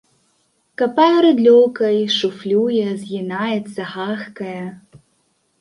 Капае рыдлёўкай, шуфлюе, згінаецца, гахкае.